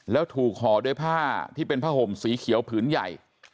แล้วถูกห่อด้วยผ้าที่เป็นผ้าห่มสีเขียวผืนใหญ่